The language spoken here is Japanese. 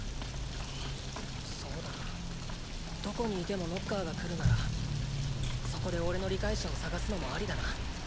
そうだなどこにいてもノッカーが来るならそこでおれの理解者を探すのもありだな。